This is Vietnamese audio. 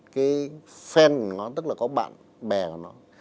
cái phen của nó tức là có bạn bè của nó